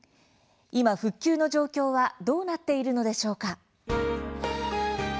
今、復旧の状況はどうなっているのでしょうか？